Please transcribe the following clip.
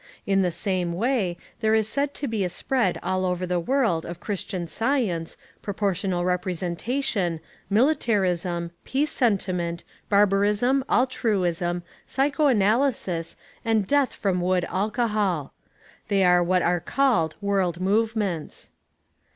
In the same way there is said to be a spread all over the world of Christian Science, proportional representation, militarism, peace sentiment, barbarism, altruism, psychoanalysis and death from wood alcohol. They are what are called world movements.